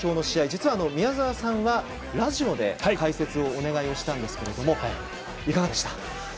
実は宮澤さんはラジオで解説をお願いをしたんですけどもいかがでしたか？